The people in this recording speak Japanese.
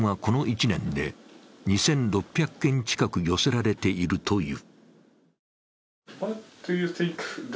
相談はこの１年で２６００件近く寄せられているという。